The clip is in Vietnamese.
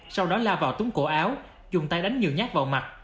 sau đó la vào túng cổ áo dùng tay đánh nhiều nhát vào mặt